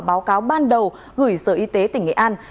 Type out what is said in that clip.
báo cáo ban đầu gửi sở y tế tỉnh nghệ an